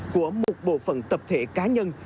của một bộ phần tập thể cá nhân